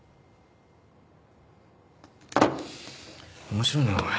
面白いなお前。